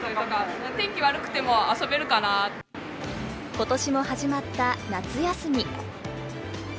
ことしも始まった夏休み。